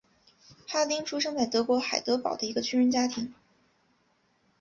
哈丁出生在德国海德堡的一个军人家庭。